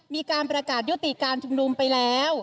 มีการประกาศยุติการชุมรัมเปล่า